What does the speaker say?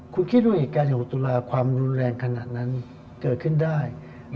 คุณคิดว่าเหตุการณ์๖ตุลาความรุนแรงขนาดนั้นเกิดขึ้นได้